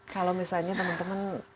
kalau misalnya teman teman